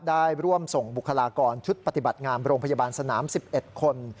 ได้ร่วมส่งบุคลากรชุดปฏิบัติงามโรงพยาบาลสนาม๑๑คน